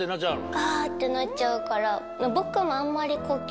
あってなっちゃうから。